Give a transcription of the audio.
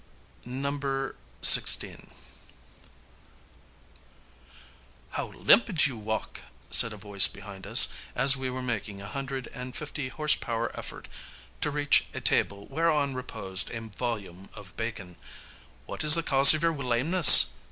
XVI "How limpid you walk!" said a voice behind us, as we were making a hundred and fifty horse power effort to reach a table whereon reposed a volume of Bacon. "What is the cause of your lameness?"